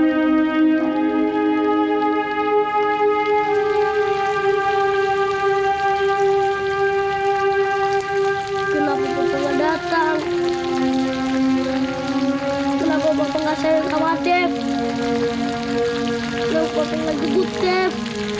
kenapa bapak gak jegut tep